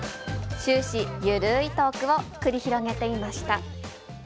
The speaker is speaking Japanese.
終始、緩ーいトークを繰り広げていました。